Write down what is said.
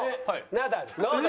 ナダル！